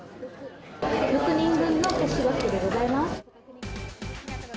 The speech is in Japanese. ６人分のキャッシュバックでございます。